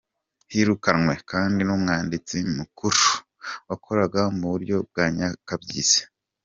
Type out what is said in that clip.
Hirukanwe kandi n'umwanditsi mukuru wakoraga mu buryo bwa nyakabyizi.